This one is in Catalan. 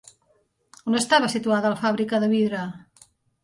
On estava situada la fàbrica de vidre?